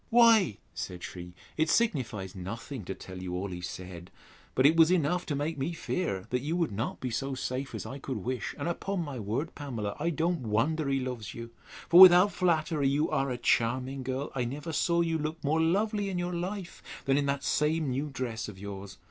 Why, said she, it signifies nothing to tell you all he said but it was enough to make me fear you would not be so safe as I could wish; and, upon my word, Pamela, I don't wonder he loves you; for, without flattery, you are a charming girl! and I never saw you look more lovely in your life than in that same new dress of yours.